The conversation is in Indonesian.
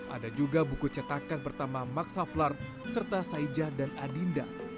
ada juga buku cetakan pertama max havelaert serta saeja dan adinda